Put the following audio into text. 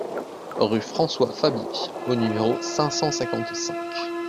Rue François Fabié au numéro cinq cent cinquante-cinq